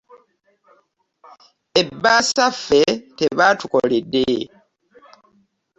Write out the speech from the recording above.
Ebbaasa ffe tebatukoledde.